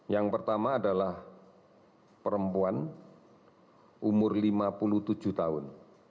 yang pertama adalah perempuan umur lima puluh tujuh tahun